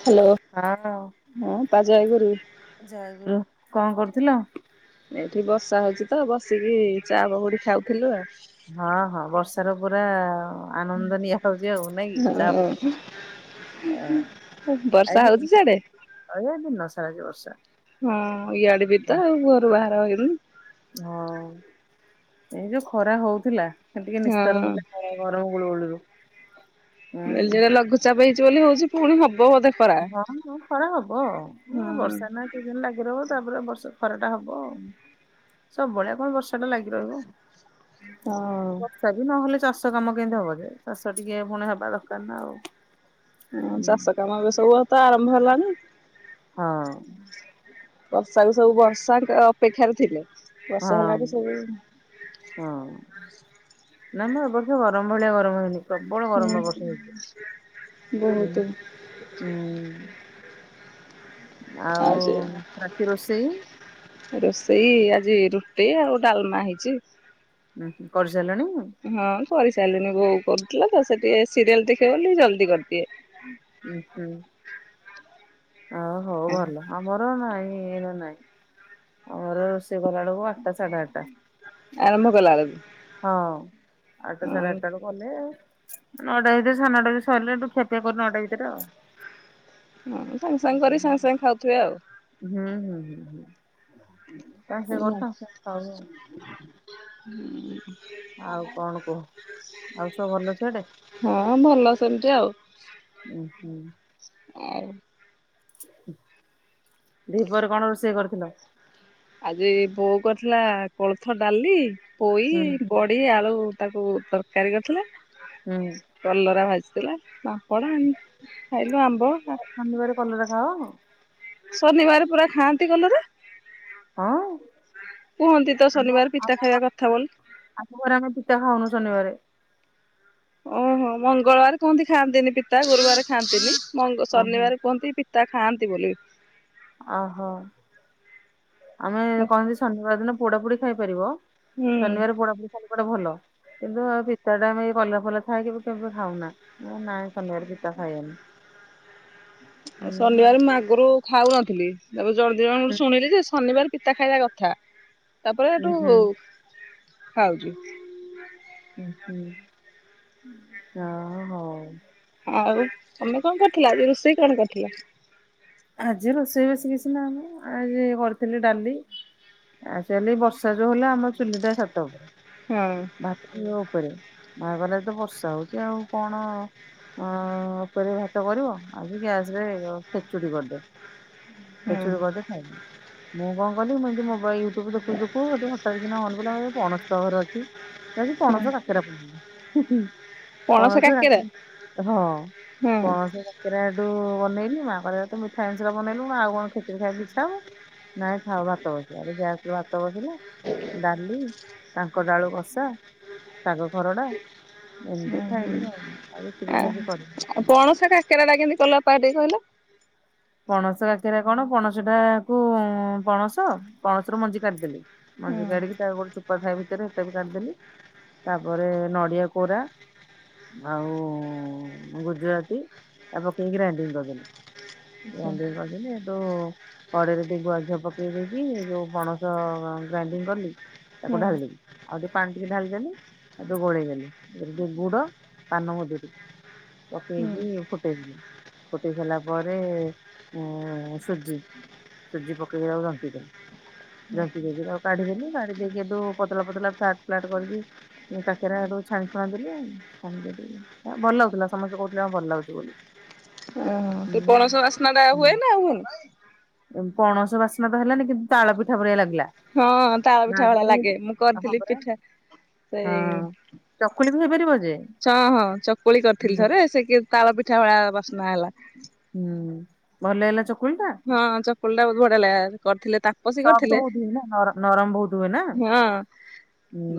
Hello ନା ନା ହଁ ପା ଜୟଗୁରୁ [unintelligible] ଜୟଗୁରୁ କଣ କରୁଥିଲ? ଏଠି ବର୍ଷା ହଉଛି ତ ବସିକି ଚା ପକୁଡ଼ି ଖାଉଥିଲୁ ଆଉ। ହଁ ହଁ ବର୍ଷା ର ପୁରା ଆନନ୍ଦ ନିଆ ହଉଛି ଆଉ ନାଇଁ କି ଚା [inaudible] ବର୍ଷା ଆଜି ହଉଚି ସିଆଡ଼େ? ଦିନ ସାରା ଆଜି ବର୍ଷା। [inaudible] ହଁ ଇଆଡେ ବି ତ ଆଉ ଘରୁ ବାହାର ହେଇନି ହଁ ଏଇ ଯୋଉ ଖରା ହଉଥିଲା। [unintelligible] ଟିକେ ନିସ୍ତାର ହଁ। ମିଳିଲା ଗରମ ଗୁଳୁଗୁଳିରୁ। ମିଲ୍ ଜାଗାରେ ଲଘୁଚାପ୍ ହେଇଛି ବୋଲି ହଉଛି ପୁଣି ହବ୍ [unintelligible] ଖରା ହବ ଉଁ ହଁ ବର୍ଷା ନା ସିଜେନ୍ ଲାଗି ରହିବ। ତାପରେ ବର୍ଷା ଖରା ଟା ହବ ଆଉ ସବୁ ବଳିଆ କଣ ବର୍ଷା ଟା ଲାଗି ରହିବ? ହଁ ବର୍ଷା ବି ନହେଲେ ଚାଷ କାମ କେମିତି ହବ ଯେ ଚାଷ ଟିକେ ପୁଣି ହେବା ଦରକାର ନା ଆଉ। ହଁ ଚାଷ କାମ ଏବେ ସବୁ ତ ଆରମ୍ଭ ହେଲାଣିି। ହଁ। ବର୍ଷାକୁ ସବୁ ବର୍ଷାଙ୍କ ଅପେକ୍ଷାରେ ଥିଲେ। ବର୍ଷ ହେଲା ହଁ ଠୁ ସବୁ ନାଇଁ ମ ଏଇ ବର୍ଷ ଗରମ ଭଳିଆ ଗରମ ହେଇନି। ପ୍ରବଳ ଗରମ ଏଇ ହୁଁ ବର୍ଷ ହେଇଛି ହଁ ବହୁତ ହୁଁ। ଆଉ ଯେ ରାତି ରୋଷେଇ ରୋଷେଇ ରୁଟି ଆଉ ଡାଲମା ହେଇଛି। ହୁଁ କରିସାରିଲଣି? ହଁ କରିସାରିଲିନି ବୋଉ କରୁଥିଲା ତ ସେ ଟିକେ ସିରିଏଲ ଦେଖିବ ବୋଲି ଜଲ୍ଦି କରିଦିଏ। ଉଁ ହୁଁ ଓ ହଉ ଭଲ ଆମର ନାଇଁ। ଏଇନେ ନାଇଁ ଆମର ରୋଷେଇ କଲା ବେଳକୁ ଆଠଟା ସାଢେ ଆଠଟା। ଆରମ୍ଭ କଲା ବେଳକୁ। ହଁ ଆଠଟା ସାଢେ ହଁ ଆଠଟା ବେଳକୁ କଲେ ଆଉ। ନଅଟା ହେଇଥରେ ସାନଡାକ ସରିଲଣିୁ ଖେପିଆ କର ନ ଅଡା ହେଇଦରେ ଆଉ। ହଁ ସାଙ୍ଗେ ସାଙ୍ଗେ କରି ସାଙ୍ଗେ ସାଙ୍ଗେ ଖାଉଥିବେ ଆଉ। ହୁଁ ହୁଁ ହୁଁ ହୁଁ ତାଙ୍କେ କରୁ ମୁଁ ତାଙ୍କେ ଖାଉ ଆଉ। ଜାଣିଚି ହୁଁ। ଆଉ କଣ କୁହ ଆଉ ସବୁ ଭଲ ସିଆଡେ? ହଁ ଭଲ ସେମିତି ଆଉ। ଉଁ ହୁଁ। ଆ ଦୀପରେ କଣ ରୋଷେଇ କରିଥିଲ? ଆଜି ବୋଉ କରିଥିଲା କୋଳଥ ଡାଲି ପୋଇ ହୁଁ ବଡି ଆଳୁ ତାକୁ ତରକାରୀ କରିଥିଲା ହୁଁ। କଲରା ଭାଜିଥିଲା ନା? ପ ଆଣି ଖାଇଲୁ ଆମ୍ବ ଶନିବାର କଲରା ଖାଅ? ଶନିବାର ପୁରା ଖାଆନ୍ତି କଲରେ ହଁ। ତ ଆମ ଶନିବାର ପିତା ଆମ ଖାଇବା ଘ କଥା ବୋଲି। ଆମ ଘରେ ଆମେ ପିତା ଖାଉନୁ ଶନିବାର ଓହୋ ମଙ୍ଗଳବାର କୁହନ୍ତି ଖାଆନ୍ତିନି ପିତା ଗୁରୁବାର ଖାଆନ୍ତିନି ମ ଓହୋ ଶନିବାର କୁହନ୍ତି ପି ତା ଖାଆନ୍ତି ବୋଲି। ଓହୋ ଆମେ ହୁଁ। କହନ୍ତି ଶନିବାର ଦିନ ପୋଡା ପୋଡି ଖାଇପାରିବ ଶନିବର ପୋଡା ପଢ ସ କଡେ ଭଲ କିନ୍ତୁ ଆଉ ପିତା ଟା ଆମେ କଲ ଫଲ ଖାଇକି କେମ ଖାଉନା ନାଇଁ ସମରେ ପିତା ଖାଇବନି [inaudible] ଆଉ ଶନିବାର ମୁ ଆଗରୁ ଖାଉନଥିଲି ତାପରେ ଜଳଦିନ ଗ ହୁଁ ଶୁଣିଲି ଯେ ଶନିବାର ପିତା ଖାଇବା କଥା ତାପରେ ହୁଁ ଏଠୁ ହୁଁ ଖାଉଛି। ହ ହୁଁ ଆଁ ହଉ। ଆଉ ତମେ କଣ କରିଥିଲ ଆ ରୋଷେଇ କଣ କରିଥିଲ? ଆଜି ରୋଷେଇ ବେଶୀ କିଛି ନା ମୁଁ ଆଜି କରିଥିଲି ଡାଲି ଆ ଚାଲି ବର୍ଷା ଯୋଉ ହେଲେ ଆମ ଚୁଲି ଟା ସାତ ହ ହଁ ବାହାଘର ଉପରେ ବାହାଘରରେ ତ ବର୍ଷା ହଉଛି ଆଉ କଣ? ଅ ଉପରେ ଭାତ କରିବ ଆଜି ଗ୍ୟାସରେଷ କରିଦେଚୁ ହୁଁ କରିଦେ ଖାଇ ମୁଁ କଣ କଲି ମୁଁ ଏମତି ମୋବାଇଲ ତୁ ଦେଖୁଛୁ ଅଠା, ଦିନ ମନ ପ ବଣସ୍ତ ଘର ଅଛି। କି ହୁଁ କୌଣସ ଟାକରା ପ ପଣସ ହଁ ହୁଁ। ପଣସ ରାକେରା ଏଠୁ ବନେଇନି ମାଙ୍କରେ ତ ମିଠାଇ ସା ବନେଇଲୁ ଆଉ କଣ କେଚରେ ଖାଇବାକୁଛବ ନାଇଁ ଖ ଭାତ ବ ଭ ବସିଲା ଡାଲି ତାଙ୍କ ଡାଳୁ ବସ ଆସ ପାଗ ଘର ଟା ହୁଁ ହୁଁ ଆ ଆଉ କରିନୁ। ପଣସ କାକେରା ଟା କେମିତି କଲପ ଟିକ କହିଲ ପଣସ ଆଖିରେ କଣ ପଣସ ଟା କ ପଣସ ପଣସ ରରୁ ମଞ୍ଜି କାଢିଦେଲି ହୁଁ ମଞ୍ଜି କାଢ଼ିକି ତାପରେ ଥୁ କଥା ହବା ଭିତରେ ହେଟା ବି କାଢିଦେଲି, ତାପରେ ନଡିଆ କୋରା ଆଉ ଗୁଜୁରାତି ତା ପକେଇକି ଗ୍ରାଇଣ୍ଡିଙ୍ଗ କରିଦେଲି। ହୁଁ ଗ୍ରାଇଣ୍ଡିଙ୍ଗ କରିଦେଲି। ହେଟୁ କଡେଇରେ ଟିକେ ଗୁଆ ଘିଅ ପକେଇ ଦେଇକି ଯୋଉ ପଣସ ଗ୍ରାଇଣ୍ଡିଙ୍ଗ କଲି। ତାକୁ ଢାଳିଦେଲି, ଆଉ ଟିକେ ପାଣି ଟିକେ ଢାଳିଦେଲି ହେଠୁଁ ଗୋଳେଇ ଦେଲି ଟିକେ ଗୁଡ ପାନମଜଧୁରି ହୁଁ ପକେଇ ଫୁଟେଇଲେ ଫୁଟେଇ ସାରିଲା ପରେ ଉଁ ସୁଜି ସୁଜି ପକେଇ ର ହ ଯନ୍ତି ଜନ୍ତି ଦେଇକି ଆଉ କାଢି ଦେଲି, କାଢି ଦେଇକି ହେଟୁ ପତଳା ପତଳା ଫ୍ଲାଟ୍ ଫ୍ଲାଟ କରିକି କାକେରାକୁ ଛାଣି ଛୁଣା ଦେଲି ଆ ଛାଣି ଦେଇ ଭଲ ଲାଗୁଥିଲା। ସମସ୍ତେ କହୁଥିଲେ ହଁ ଭଲ ଲାଗୁଛି ବୋଲି। ଓଃ ତ ହୁଁ ପଣସ ବାସନା ଟା ହୁଏ ନା ହୁଏନି। ଏ ପଣସ ବାସ୍ନା ତ ହେଲାନି କିନ୍ତୁ ତାଳ ପିଠା ଭଳିଆ ଲାଗିଲା ହଁ ତାଳ ମା ପିଠା ଭଳିଆ କହିଲେ ଲାଗେ, ମୁଁ ହଁ କରିଥିଲି ପରା ପିଠା ସେଇ ହଁ। ଚକୁଳି ବି ହେଇପାରିବ ଯେ ହଁ ହଁ ଚକୁଳି କରିଥିଲି ହୁଁ ଥରେ, ସେ କି ତାଳ ପିଠା ଭଳିଆ ବାସ୍ନା ହେଲା। ହୁଁ ଭଲ ହେଲା ଚ ହଁ ଚକୁଳି ଟା ବହୁତ ବଢିଆ ଲାଗା କରିଥିଲେ ତାପସୀ ସଫ୍ଟ କରିଥିଲେ ବହୁତ ହୁଏ ନା ନରମ ବହୁତ ହୁଏ ନା ହଁ।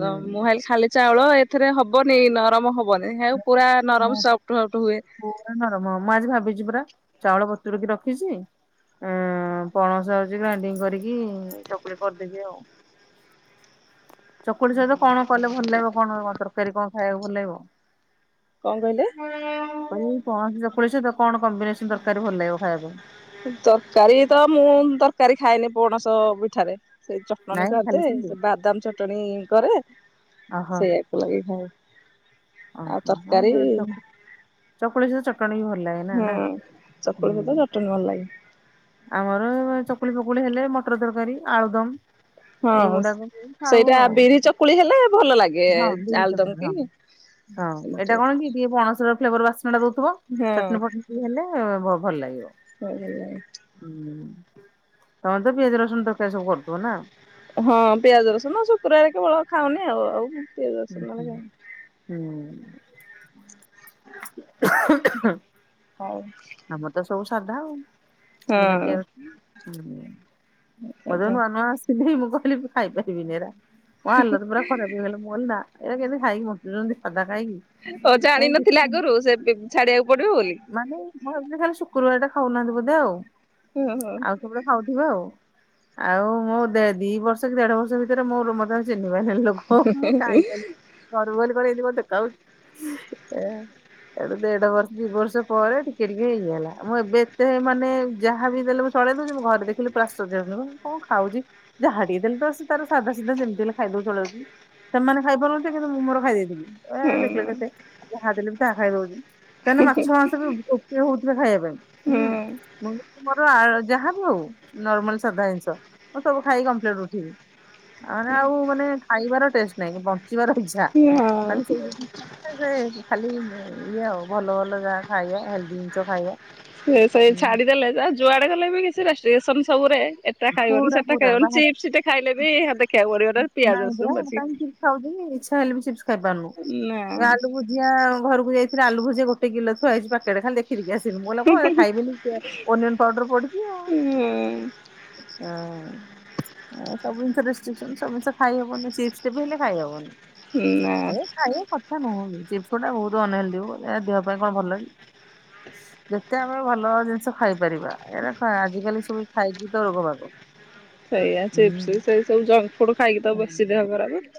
ଗ ଖାଲି ଖାଲି ଚାଉଳ ଏଥିରେ ହବନି ନରମ ହବନି। ହେଉ ପୁରା ପ ନରମ ନ ସଫ୍ଟ ସଫ୍ଟ ହୁଏ। ପୂରା ନରମ, ମୁଁ ଆଜି ଭାବିଛି ପୁରରା ଚାଉଳ ବ ତୁରକି ରଖିଛି। ଉ ପଣସ ହଉଛି ଗ୍ରାଇଣ୍ଡିଙ୍ଗ କରିକି ଚକୁଳି କରିଦେବି ଆଉ। ଚକୁଳି ସହିତ କଣ କଲେ ଭଲ ଲାଗିବ, କଣ ତରକାରୀ କଣ ଖାଇବାକୁ ଭଲ ଲାଗିବ। କଣ କହିଲେ ତମୁଁ ପଣସ ଚକୁଳି ସହିତ କଣ କମ୍ବିନେସନ ତ ରକାରି ଭଲ ଲାଗିବ ଖାଇବା ପାଇଁ। ତରକାରୀ ତ ମୁଁ ତରକାରୀ ଖାଏନି ପଣସ ପିଠାରେ। ସେଇ ଚଟଣି ନାଇଁ ଖାଲି କରିଦେ, ସେମିତି ସେ ବାଦାମ ଚଟଣି କରେ ଓହୋ ସେଇଆକୁ ଲଗେଇ ଖାଏ। ଆଉ ଓହୋ ତରକାରୀ ହଁ ଚକୁଳି ସହିତ ଚଟଣି ବି ଭଲ ଲାଗେ ନା ହୁଁ ନା। ଚକୁଳି ହୁଁ ପିଠା ଚଟଣି ଭଲ ଲାଗେ। ଆମର ଚକୁଳି ଫକୁଳି ହେଲେ, ମଟର ତରକାରୀ ଆଳୁଦମ। ହଁ ଏଇଗୁଡାକ ଖାଉ ସେଇଟା ଆଉ ବିରି ଚକୁଳି ହେଲେ ଭଲ ଲାଗେ। ହଁ ବିରି ଆଳୁଦମ ଚକୁଳି କି ହଁ ହଁ ଏଇଟା କଣ କି ଟେ ପଣସ ପୁରା ଫ୍ଲେବର୍ ବାସ୍ନା ଟା ଦଉଥିବ, ଚଟଣି ଫଟଣି ଟିକେ ହେଲେ ଭ ଭଲ ଲାଗିବ। ଭଲଲାଗେ। ହୁଁ ତମେ ତ ପିଆଜ ରସୁଣ ତରକାରୀ ସବୁ କରୁଥିବ ନା। ହଁ ପିଆଜ ରସୁଣ ଶୁକ୍ରବାରେ କେବଳ ଖାଉନି ଆଉ। ଆଉ ପିଆଜ ହୁଁ ରସୁନ ନ ହୁଁ ହେଲେ ହୁଁ। ହୋ ହୋ ହଉ। ସବୁ ସାଧା ଆଉ ବିନା ପିଆଜ ରସୁଣ ହୁଁ। ମୁ ଯେବେ ହଁ ନୂଆ ନୂଆ ଆସିଥିଲି ମୁ ମୁଁ କହିଲି ଖାଇ ପାରିବିନି ଏରା, ମୋ ହାଲତ ପୁରା ଖରାପ ହେଇଗଲା। ମୁଁ କହିଲି ନା ଏରା କେମିତି ଖାଇକି ବଞ୍ଚୁଚନ୍ତି ସାଧା। ଖାଇକି। ହ ଜାଣିନଥିଲ ଆଗରୁ ସେ ବେ ଛାଡିବାକୁ ପଡିବ ବୋଲି। ହ ଏମିତି ଖାଲି ଶୁକ୍ରବାର ଟା ଖାଉନାହାନ୍ତି ବୋଧେ ଆଉ। ହଁ ଆଉ ସେବେଳେ ଖାଉଥିବେ ଆଉ। ଆଉ ମୁଁ ଦେ ଦି ବର୍ଷ କି ଦେଢ ବର୍ଷ ଭିତରେ ମୋର ସେ ଚିହ୍ନିପାରିଲାନି ଲୋକ ମୁଁ ଖାଇପାରିଲି ଘରୁକୁ ଗଲି କହିଲେ କଣ ଏମିତି ଦେଖାଯାଉଛୁ। ସେ ଏ ଏଠୁ ଦେଢ ବର୍ଷ ଦି ବର୍ଷ ପରେ ଟିକେ ଟିକେ ହେଇଗଲା। ମୁଁ ଏବେ ଏତେ ହେ ମାନେ ଯାହାବି ଦେଲେ ମୁଁ ସ [unintelligible] ଘରେ ଦେଖିଲି ପ୍ରାଶ୍ଚ ଦେଖୁନୁ କଅ ଖାଉଛି। ଯାହା ଟିକେ ଦେଲେ ତ ସେ ତାର ସାଧା ସିଧା ଯେମିତି ହେଲେ ଖାଇଦଉ ଚଳଉ ସେମାନେ ଖାଇ ପାରୁନଥିବେ, କିନ୍ତୁ ମୁଁ ମୋର ଖାଇ ଦେଇେଥିଲି ହଁ ଏ ଦେଖିଲେ କେତେ ଯାହା ଦେଲେ ବି ତାହା ଖାଇଦଛି। ତାନେ ମାଛ ମାଂସ ବି ଉପେଇ ହଉଥିବେ ଖାଇବା ପାଇଁ। ହଁ ହୁଁ ମୁଁ ମୋର ଆ ଯାହାବି ହଉ ନର୍ମାଲ ସାଧା ଜିନିଷ ମୁଁ ସବୁ ଖାଇ କମ୍ଲେରୁ ଉଠିବି। ଆଉ ମାନେ ଆଉ ମାନେ ଖାଇବାର ଟେଷ୍ଟ ନାଇଁ ବ ଚିବାର ଇଚ୍ଛା ମାନେ ହଁ ସ ଖାଲି ଇଏ ଆଉ। ଭଲ ଭଲ ଯାହା ଖାଇବା ହେଲ୍ଦି ଜିନିଷ ଖାଇବା। ସେ ସେଇ ଉଁ, ଛାଡିଦେଲେ ଯା ଯୁଆଡେ ଗଲେ ବି କିଛି ରେଷ୍ଟ୍ରିକେସନ ସବୁରେ। ଏଟା ଖାଇବନି ପୁରା ସେଟା ପୁରା ଖାଇବନି ବାହା ଚିପ୍ସଟେ ଖାଇଲେ ବି ହାଦେଖିବାକୁ ପଡିବ ପିଆଜ ନାଇଁ ରସୁଣ ପୁରା ପଡ଼ିଛି କି କାହିଁ ନାଇ ଚିପ୍ସ ଖାଉଛି ଇଚ୍ଛା ହେଲେ ବି ଚିପ୍ସ ଖାଇ ପାରୁନୁ ଏ ଆଳୁ ଭୁଜିଆ ଘରକୁ ଯାଇ ଆଲୁଭୁଜିଆ ଗୋଟ କିଲୋ ଥୁଆ ହେଇଛି ପେକେଟ୍ ଖାଲି ଦେଖି ଦେଖି ଆସି ଥିନି ମଲା ମୁଁ ଖାଇବିନି ଅନିଅନ ପାଉଡର ପଡିଛି ଆଉ। ନା ହଁ ଆ ସବୁ ଜିନିଷ ରେଷ୍ଟ୍ରିକସନ ସବୁ ଜିନିଷ ଖାଇହବନି ଚିପ୍ସ ଟେ ବି ହେଲେ ଖାଇହବନି। ନା ଏ ଖଇବା କଥା ନୁହଁ ବି ଚିପ୍ସ ଟା ବହୁତ ଅନହେଲ୍ଦୀ ଏ ଦେହ ପାଇଁ କଣ ଭଲ କି? ଯେତେ ଆମେ ଭଲ ଜିନିଷ ଖାଇପାରିବା ଏରା କା ଆଜିକାଲି ସବୁ ଖାଇକି [unintelligible] ସେଇଆ ଚିପ୍ସ୍ ସେଇ ସବୁ ଜଙ୍କ ଫୁଡ ଖାଇକି ତ ବେଶୀ ଦେହ ଖରାପ୍।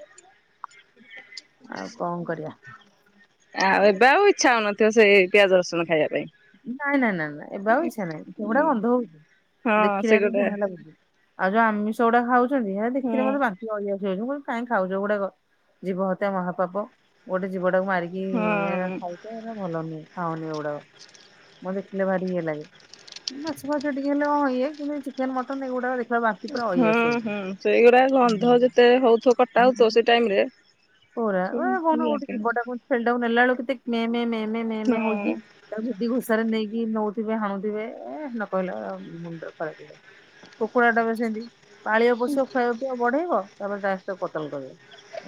ଆଉ କଣ କରିବା। ଆଉ ଏବେ ଆଉ ଇଚ୍ଛା ହଉନଥିବ ସେଇ ପିଆଜ ରସୁଣ ଖାଇବା ପାଇଁ। ନାଇଁ ନାଇଁ ନାଇଁ ଏବେ ଇଚ୍ଛା ନାଇଁ ସେଉଡା ଗନ୍ଧ ହଉଛି। ହଁ ଦେଖିଲି ସେ ଏଟା ଗୋଟେ ଭଲ ଲାଗୁଛି ଆଉ ଯୋଉ ଆମିଷ ଗୁଡା ଖାଉଛନ୍ତି ସେଟା ହୁଁ ଦେଖିଲେ ମତେ ବାନ୍ତି ମାଢ଼ି ଆସିଯାଉଛି। କାହିଁକି ଖାଉଛ ଏ ଗୁଡାକ ଜୀବ ହତ୍ୟା ମହାପାପ ଗୋଟେ ଜୀବ ତାକୁ ମାରିକି ହଁ ଏରା ଖାଉଛ ଏରା ଭଲ ନୁହେଁ ଖାଅନି ଏଗୁଡାକ। [inaudible] ମୋ ଦେଖିଲେ ଭାରି ଇଏ ଲାଗେ, ମାଛ ଫାଛ ଟିକେ ହେଲେ ହଁ ଇଏ କିନ୍ତୁ ଏଇ ଚିକେନ ମଟନ ଏଗୁଡାକ ଦେଖ୍ ହୁଁ-ହୁଁ ସେଇଗୁରା ଗନ୍ଧ ଯେତେ ହଉଥିବ କଟା ହଉଥିବ ସେ ଟାଇମରେ [inaudible] ପରା [inaudible] ଗୋଟେ ଜୀବଟାକୁ ଛେଳିଟାକୁ ନେଲାବେଳକୁ କେତେ ମେଁ-ମେଁ- ମେଁ ମେଁ-ମେଁ-ମେଁ ହୋଇକି ତାକୁ ଭିଡି ଘୋଷାରୀ ନେଇ କି ନଉଥିବେ ହାଣୁଥିବେ ଏ ନ କହିଲେ ମୁଣ୍ଡ ଖରାପ୍ ହେଇ ଯାଉଛି। କୁକୁଡ଼ାଟା ବି ସେମିତି ପାଳିବ ପୋଷିବ ଖୁଆଇବ ପିଆଇବ ବଢେଇବ ତାପରେ ଲାଷ୍ଟ୍ ରେ ତାକୁ କତଲ୍ କରିବ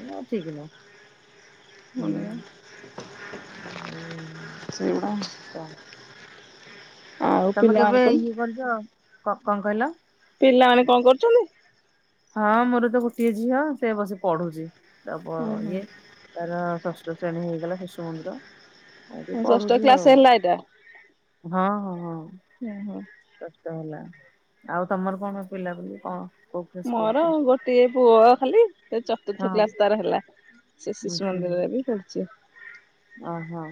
ଏଗୁରା ଠିକ ନୁହଁ। [inaudible] ହୁଁ ସେଇଗୁଡା [inaudible] ଆଉ ତମେ କେବେ ପିଲାମାନେ କଣ ଇଏ କରିଛ କ କଣ କହିଲ? ପିଲାମାନେ କଣ କରୁଛନ୍ତି? ହଁ ମୋର ତ ଗୋଟିଏ ଝିଅ ସେ ବସି ପଢୁଛି ତା ପ ଓହୋ ଇଏ ତାର ଷଷ୍ ଷଷ୍ଠ ଶ୍ରେଣୀ ହେଇଗଲା ଶିଶୁ ମନ୍ଦିର। ଆଉ ଟିକେ ଷଷ୍ଠ କ୍ଲାସ୍ ହେଲା ଏଇଟା? ହଁ-ହଁ-ହଁ। ଓହୋଃ। ଷଷ୍ଠ ହେଲା, ଆଉ ତମର କଣ ପିଲାପିଲି କଣ? କୋଉ କ୍ଲାସ୍ ମୋର ପଢୁଛନ୍ତି? ଗୋଟିଏ ପୁଅ ଖାଲି ସେ ହଁ ଚତୁର୍ଥ କ୍ଲାସ ତାର ହେଲା। ସେ ଶିଶୁ ମନ୍ଦିରରେ ବି ପଢ଼ୁଛି। ଓହୋଃ।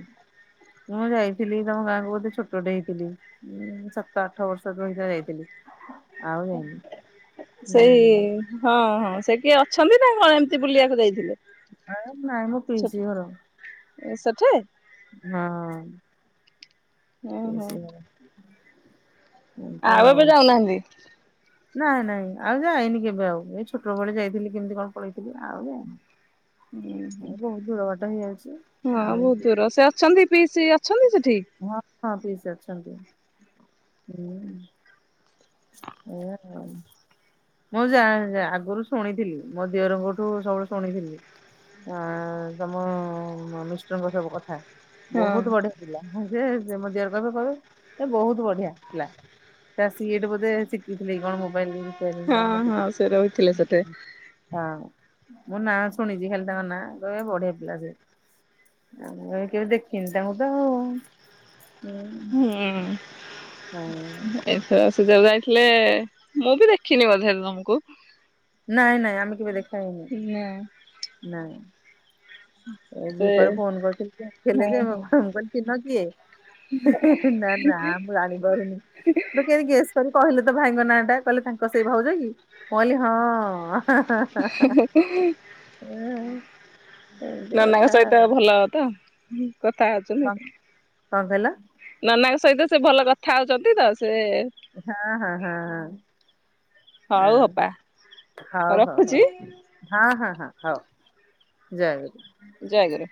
ମୁଁ ଯାଇଥିଲି ତମ ଗାଁକୁ ବୋଧେ ଛୋଟଟେ ହେଇଥିଲି ଉଁ-ଉଁ ସାତ ଆଠ ବର୍ଷର [inaudible] ସେତେବେଳେ ହେଇଥିଲି। ସେଇ ହୁଁ ହଁ-ହଁ ସେ କିଏ ଅଛନ୍ତି ନା କଣ ଏମିତି ବୁଲିବାକୁ ଯାଇଥିଲେ? ଆ ନାଇଁ ମୋ ପିଇସୀ ଘର। ଏ ସେଠି? ହଁ-ହଁ। ଓହୋଃ। ଆଉ ଏବେ ଯାଉନାହାନ୍ତି? ନାଇଁ-ନାଇଁ ଆଉ ଯାଇନି କେବେ ଆଉ ଏଇ ଛୋଟବେଳେ ଯାଇଥିଲି କେମିତି କଣ ପଳେଇଥିଲି ଆଉ ଯାଇନି। ହୁଁ ଏ ବହୁତ ଦୂର ବାଟ ହେଇଯାଉଛି -ହୁଁ ହଁ ଆଉ ବହୁତ୍ ଦୂର ସେ ଅଛନ୍ତି ପିଇସୀ ଅଛନ୍ତିି ସେଠି? ହଁ ହଁ ପିଇସୀ ଅଛନ୍ତି ହୁଁ। [inaudible] ମୁଁ ଜା ଆଗରୁ ଶୁଣିଥିଲି ମୋ ଦିଅରଙ୍କଠୁ ସବୁ ଶୁଣିଥିଲି। ଆଁ-ଆଁ-ଆଁ ତମ ମିଷ୍ଟରଙ୍କ ସବୁ କଥା ହଁ ବହୁତ ବଢିଆ ପିଲା ହୁଁ। ସେ [inaudible] ମୋ ଦିଅର କହିବେ କହିବେ ଏ ବହୁତ ବଢିଆ ଥିଲା। ସେ ଆସିକି ଏଇଠି ବୋଧେ ଶିଖିଥିଲେ କି କଣ ମୁଁ [unintelligible] ହଁ କାମ ହଁ ସେ ରହିଥିଲେ ସେଠେ। ଶିଖୁଛି ହଁ। ମୁଁ ନାଁଆ ଶୁଣିଛି ଖାଲି ତାଙ୍କ ନାଁଆ, କହିବେ ବଢିଆ ପିଲା ସେ। ଆଉ ମୁଁ କେବେ ଦେଖିନି ତାଙ୍କୁ ତ ଆଉ। ହଁ ହୁଁ-ଉଁ-ଉଁ ଏଥର [inaudible] [inaudible] ମୁଁ ବି ଦେଖିନି ବଧେ ତମକୁ। ନାଇଁ-ନାଇଁ ଆମେ କେବେ ଦେଖା ହେଇନି। ନା ନାଇଁ। ଏବ ସେ ଥରେ ଫୋନ୍ କରଥିଲି ଯେ, ଥେଲେ ହୁଁ ‌ଯେ ମୁଁ ହୁଁ [inaudible] କହିଲି ସେ ଜଣକ ‌କିଏ? ହେଁ-ହେଁ-ହେଁ ନା-ନା ମୁଁ ଜାଣିପାରିନି, [inaudible] କେମିତି ଗେସ୍ କରି କହିଲେ ତ ଭାଇଙ୍ଗ ନାଁଆଟା। କହିଲେ ତାଙ୍କ ସେଇ ଭାଉଜ କି? ମୁଁ କହିଲି ହଁଅ-ଅ ହାଁ-ହାଁ-ହାଁ। ଉଁ ନାନାଙ୍କ ସହିତ ଭଲ ତ। କଥା କଣ ହଉଛନ୍ତି, କଣ କହିଲ? ନାନାଙ୍କ ସହିତ ସେ ଭଲ କଥା ହଉଛନ୍ତି ତ ସେ ହଁ ହଁ ହଁ ହ। ହଉ ହଁ ଅପା ହଉ ହଉ ରଖୁଛି ହଉ ହଁ ହଁ। ହଁ ହଉ ଜୟ ଯାଗରେ